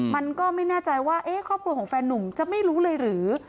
มันก็ไม่แน่ใจว่าครอบครัวของแฟนนุ่มจะไม่รู้เลยหรือ